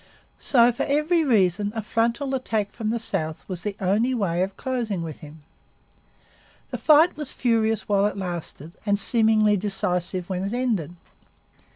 So, for every reason, a frontal attack from the south was the one way of closing with him. The fight was furious while it lasted and seemingly decisive when it ended.